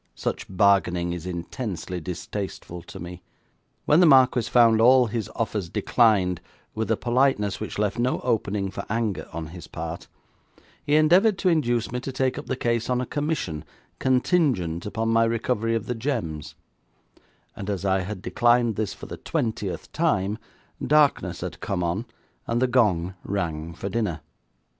Such bargaining is intensely distasteful to me. When the marquis found all his offers declined with a politeness which left no opening for anger on his part, he endeavoured to induce me to take up the case on a commission contingent upon my recovery of the gems, and as I had declined this for the twentieth time, darkness had come on, and the gong rang for dinner.